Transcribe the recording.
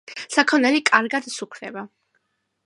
საქონელი კარგად სუქდება.